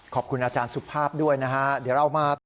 ขอบคุณอาจารย์สุภาพด้วยนะฮะ